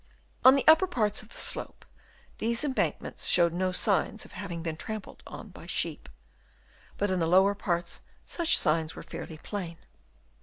On the upper parts of the slope, these em bankments showed no signs of having been trampled on by sheep, but in the lower parts such signs were fairly plain.